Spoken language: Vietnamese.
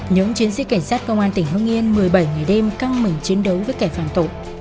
những chiến sĩ cảnh sát công an tỉnh hương yên một mươi bảy ngày đêm căng mỉnh chiến đấu với kẻ phản tội